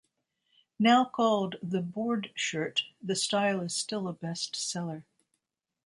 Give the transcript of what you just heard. Now called the "board shirt," the style is still a bestseller.